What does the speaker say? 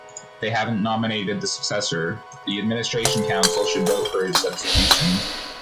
They haven’t nominated the successor; the administration council should vote for his substitution.